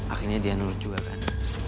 akhirnya dia nurut juga kan